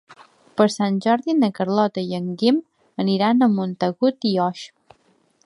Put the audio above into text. Per Sant Jordi na Carlota i en Guim aniran a Montagut i Oix.